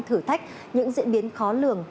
thử thách những diễn biến khó lường